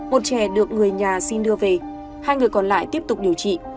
một trẻ được người nhà xin đưa về hai người còn lại tiếp tục điều trị